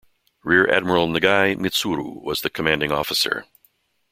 Rear Admiral Nagai Mitsuru was the Commanding Officer.